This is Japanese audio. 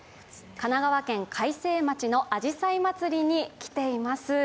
神奈川県開成町のあじさいまつりに来ています。